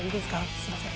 すいません。